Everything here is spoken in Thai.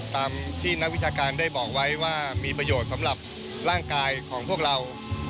ตามที่นักวิชาการได้บอกไว้ว่ามีประโยชน์สำหรับร่างกายของพวกเรา